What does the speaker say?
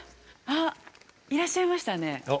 あ、いらっしゃいましたね。